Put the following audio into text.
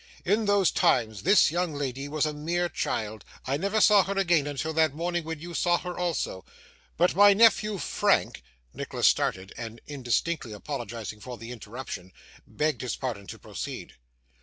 In those times this young lady was a mere child. I never saw her again until that morning when you saw her also, but my nephew, Frank ' Nicholas started, and indistinctly apologising for the interruption, begged his patron to proceed.